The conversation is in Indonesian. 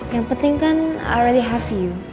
yang penting kan i already have you